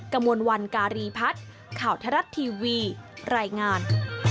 กระมวลวันการีพัฒน์ข่าวทรัฐทีวีรายงาน